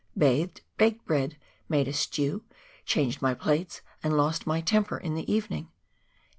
Bathed, baked bread, made a stew, changed my plates and lost my temper in the evening